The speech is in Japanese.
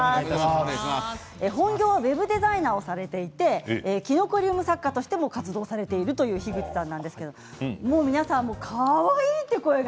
本業はウェブデザイナーをされていてきのこリウム作家としても活動されているという樋口さんなんですが皆さんかわいいという声が。